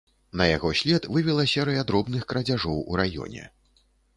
На яго след вывела серыя дробных крадзяжоў у раёне.